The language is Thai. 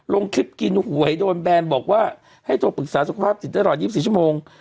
ลงคลิปกินหวยโดนแบรนด์บอกว่าให้ตัวปรึกษาสุขภาพสิทธิ์ได้รอยี่สิบสิบชั่วโมง